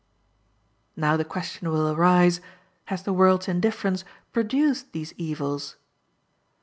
Now the question will arise, Has the world's indifference produced these evils?